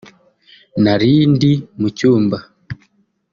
nari ndi mu cyumba